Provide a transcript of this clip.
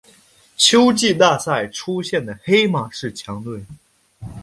秋季大赛出现的黑马式强队。